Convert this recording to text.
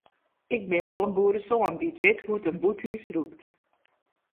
Ik bin wol in boeresoan dy't wit hoe't in bûthús rûkt.